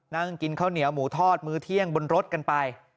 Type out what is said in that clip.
นั่งกินข้าวเหนียวหมูทอดมื้อเที่ยงบนรถกันไป